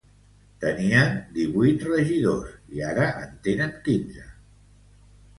Tenien divuit regidors i ara en tenen quinze.